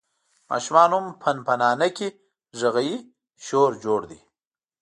ماشومان هم پنپنانکي غږوي، شور جوړ دی.